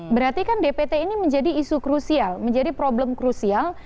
berarti kan dpt ini menjadi isu krusial menjadi problem krusial